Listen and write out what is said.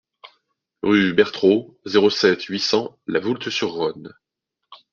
Rue Bertraud, zéro sept, huit cents La Voulte-sur-Rhône